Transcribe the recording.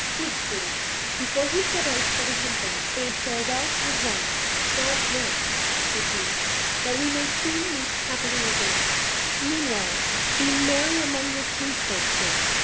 Siegfried, before he set out for the hunting, bade farewell to his wife: "God grant," said he, "that we may soon meet happily again; meanwhile be merry among your kinsfolk here."